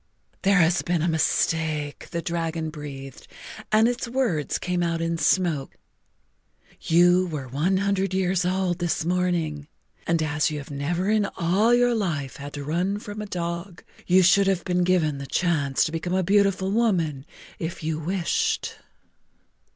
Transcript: "There has been a mistake," the dragon breathed, and its words came out in smoke. "You were one hundred years old this morning, and as you have never in all your life had to run from a dog, you should have been given the chance to become a beautiful woman if you wished."